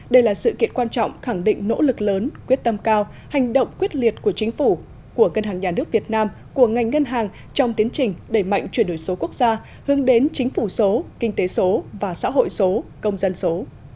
đây là sự kiện quan trọng khẳng định nỗ lực lớn quyết tâm cao hành động quyết liệt của chính phủ của ngân hàng nhà nước việt nam của ngành ngân hàng trong tiến trình đẩy mạnh chuyển đổi số quốc gia hướng đến chính phủ số kinh tế số và xã hội số công dân số